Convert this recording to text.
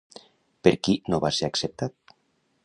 Per qui no va ser acceptat?